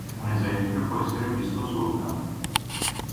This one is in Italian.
Un esempio può essere visto sopra.